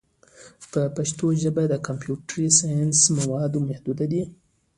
په پښتو ژبه د کمپیوټري ساینس مواد محدود دي.